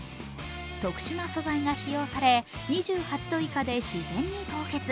特殊な素材が使用され、２８度以下で自然に凍結。